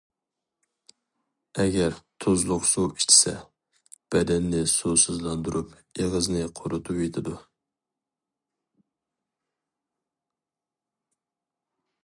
ئەگەر تۇزلۇق سۇ ئىچسە، بەدەننى سۇسىزلاندۇرۇپ، ئېغىزنى قۇرۇتۇۋېتىدۇ.